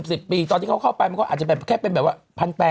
เป็น๑๐ปีตอนที่เขาเข้าไปมันก็อาจจะแค่เป็นแบบว่า